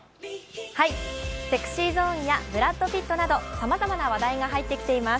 ＳｅｘｙＺｏｎｅやブラッド・ピットなどさまざまな話題が入ってきています。